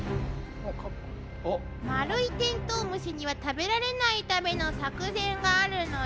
丸いテントウムシには食べられないための作戦があるのよ。